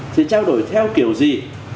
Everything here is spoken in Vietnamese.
thì trao đổi theo kiểu gì